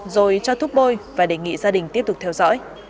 rồi cho thuốc bôi và đề nghị gia đình tiếp tục theo dõi